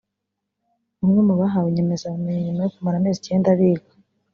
Bamwe mu bahawe inyemezabumenyi nyuma yo kumara amezi icyenda biga